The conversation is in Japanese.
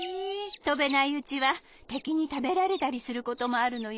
とべないうちはてきにたべられたりすることもあるのよ。